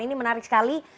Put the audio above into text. ini menarik sekali